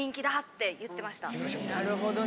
なるほどね。